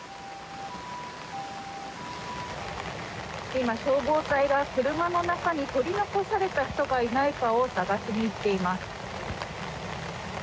今、消防隊が車の中に取り残された人がいないかを捜しに行っています。